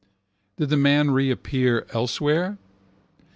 Did the man reappear elsewhere?